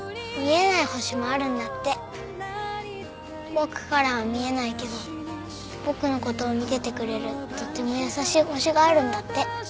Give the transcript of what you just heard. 僕からは見えないけど僕の事を見ててくれるとっても優しい星があるんだって。